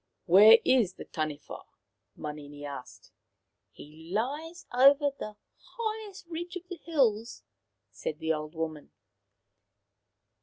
" Where is the Taniwha ?" Manini asked. " He lies over the highest ridge of the hills/' said the old woman.